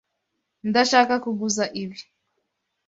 Ndashaka kuguza ibi.